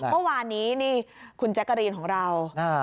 เมื่อวานนี้นี่คุณแจ๊กกะรีนของเรา